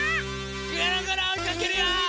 ぐるぐるおいかけるよ！